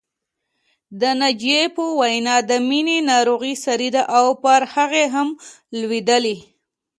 د ناجيې په وینا د مینې ناروغي ساري ده او پر هغې هم لوېدلې